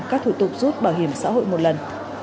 các thủ tục rút bảo hiểm xã hội một lần